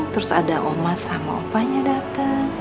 terus ada omah sama opahnya dateng